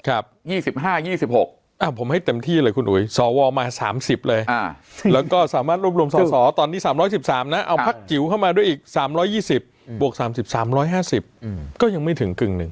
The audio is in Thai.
๒๕๒๖ผมให้เต็มที่เลยคุณอุ๋ยสวมา๓๐เลยแล้วก็สามารถรวบรวมสอสอตอนนี้๓๑๓นะเอาพักจิ๋วเข้ามาด้วยอีก๓๒๐บวก๓๓๕๐ก็ยังไม่ถึงกึ่งหนึ่ง